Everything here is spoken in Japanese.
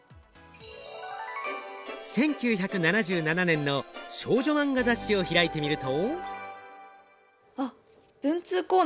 １９７７年の少女マンガ雑誌を開いてみると。